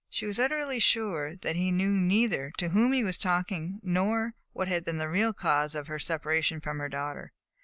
She was utterly sure that he knew neither to whom he was talking nor what had been the real cause of her separation from her daughter.